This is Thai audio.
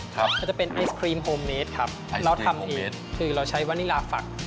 เขาจะเป็นไอศครีมโฮมเมดครับเราทำเองคือเราใช้วานิลาฝัก